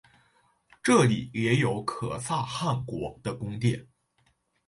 这里也有可萨汗国的宫殿。